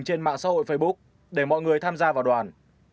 trên mạng xã hội facebook để mọi người tham gia vào đoàn